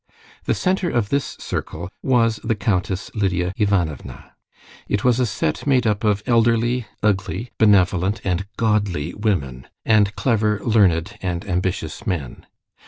The center of this circle was the Countess Lidia Ivanovna. It was a set made up of elderly, ugly, benevolent, and godly women, and clever, learned, and ambitious men.